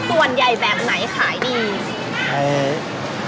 ส่วนใหญ่แบบไหนขายดี